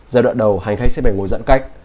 giai đoạn đầu hành khách sẽ phải ngồi giãn cách